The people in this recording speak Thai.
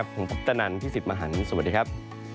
ผมป๊อปตะนันท์พี่สิทธิ์มหันภ์สวัสดีครับ